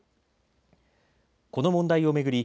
この問題を巡り